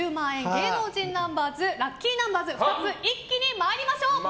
芸能人ラッキーナンバーズ２つ一気に参りましょう。